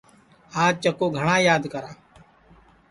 آج چکُو گھٹؔا یاد کرا